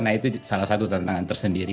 nah itu salah satu tantangan tersendiri